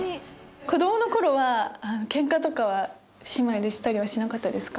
子供の頃はケンカとかは姉妹でしたりはしなかったですか？